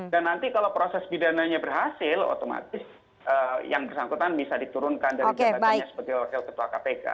dan nanti kalau proses pidananya berhasil otomatis yang kesangkutan bisa diturunkan dari pembacanya sebagai orsel ketua kpk